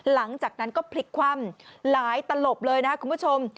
หลังจากนั้นก็พลิกคว่ำหลายตลบเลยนะครับคุณผู้ชม